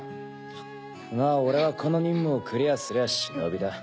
まぁ俺はこの任務をクリアすりゃ忍だ。